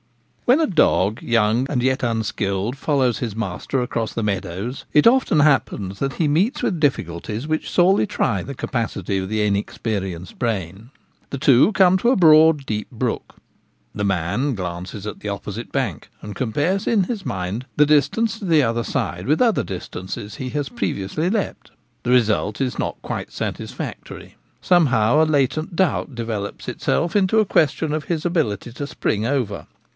* WHEN a dog, young and yet unskilled, follows his master across the meadows, it often happens that he meets with difficulties which sorely try the capacity of the inexperienced brain. The two come to a broad deep brook. The man glances at the opposite bank, and compares in his mind the distance to the other side with other distances he has previously leaped. The result is not quite satisfactory; some how a latent doubt develops itself into a question of his ability to spring over.